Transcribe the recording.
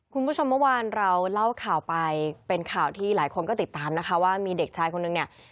คุณผู้ชมเมื่อวานเราเล่าข่าวไปเป็นข่าวที่หลายคนก็ติดตามนะคะว่ามีเด็กชายคนนึงเนี่ย